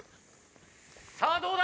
さあどうだ？